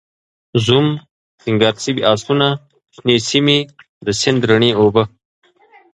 زوم، سینګار شوي آسونه، شنې سیمې، د سیند رڼې اوبه